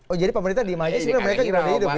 oh jadi pemerintah di majesmere mereka hirau hidup gitu